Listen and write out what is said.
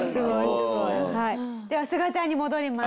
ではすがちゃんに戻ります。